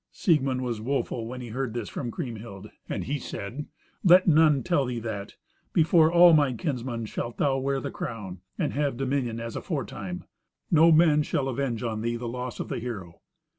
Siegmund was woeful when he heard this from Kriemhild, and he said, "Let none tell thee that. Before all my kinsmen shalt thou wear the crown, and have dominion as aforetime; no man shall avenge on thee the loss of the hero.